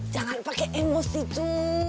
jangan pake emosi coy